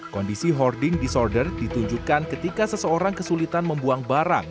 kondisi hoarding disorder ditunjukkan ketika seseorang kesulitan membuang barang